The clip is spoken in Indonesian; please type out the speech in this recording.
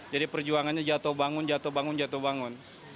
jadi perjuangannya jatuh bangun jatuh bangun jatuh bangun